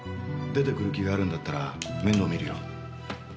出てくる気があるんだったら面倒見るよ。